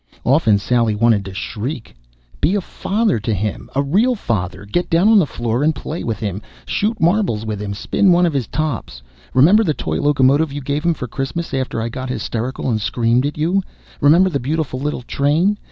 Often Sally wanted to shriek: "Be a father to him! A real father! Get down on the floor and play with him. Shoot marbles with him, spin one of his tops. Remember the toy locomotive you gave him for Christmas after I got hysterical and screamed at you? Remember the beautiful little train?